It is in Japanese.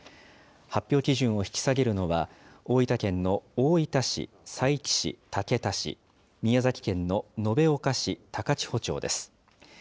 発表基準を引き下げるのは、大分県の大分市、佐伯市、竹田市、宮崎県の延岡市、高千穂町です。